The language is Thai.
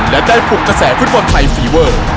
และได้พวงกระแสคลุดบอลไทยฟีเวอร์